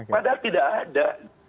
padahal tidak ada